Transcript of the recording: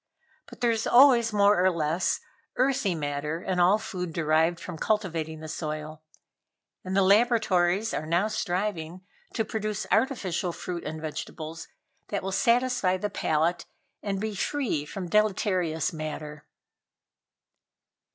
But there is always more or less earthy matter in all food derived from cultivating the soil, and the laboratories are now striving to produce artificial fruit and vegetables that will satisfy the palate and be free from deleterious matter."